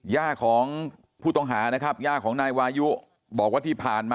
ย่าของผู้ต้องหานะครับย่าของนายวายุบอกว่าที่ผ่านมา